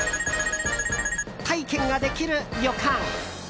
○○体験ができる旅館。